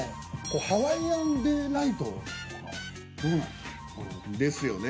ハワイアンデライトとかどうなんやろ？ですよね。